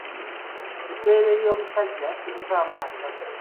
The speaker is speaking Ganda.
Ebbeere ly’omusajja terivaamu mata.